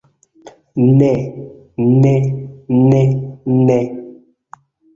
Ne ne ne ne.